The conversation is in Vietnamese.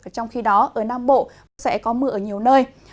trong khi đó ở nam bộ cũng sẽ có mưa ở nhiều nơi